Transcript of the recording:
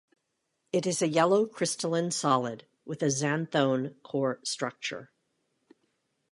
It is a yellow crystalline solid with a xanthone core structure.